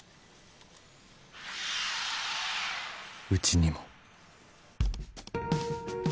うちにも。